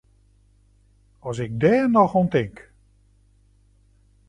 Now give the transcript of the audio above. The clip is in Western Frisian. As ik dêr noch oan tink!